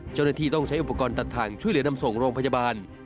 เจ้าหน้าที่ต้องใช้อุปกรณ์ตัดทางช่วยเหลือนำส่งโรงพยาบาล